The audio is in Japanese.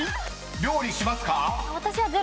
［料理しますか？］